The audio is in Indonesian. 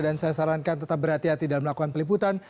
dan saya sarankan tetap berhati hati dalam melakukan peliputan